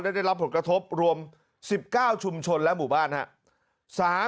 ได้รับผลกระทบรวม๑๙ชุมชนและหมู่บ้านครับ